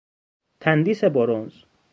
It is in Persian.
تندیس برنز